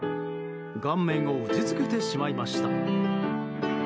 顔面を打ち付けてしまいました。